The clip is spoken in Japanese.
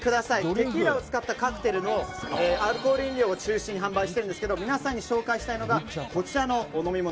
テキーラを使ったカクテルのアルコール飲料を中心に販売しているんですが皆さんに紹介したいのがこちらのお飲物。